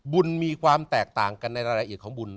มีความแตกต่างกันในรายละเอียดของบุญ